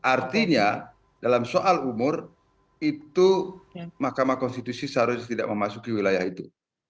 artinya dalam soal umur itu mahkamah konstitusi seharusnya tidak memasuki wilayah itu